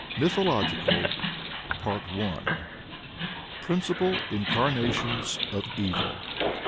MYTHOLOGICAL. _Principal Incarnations of Evil.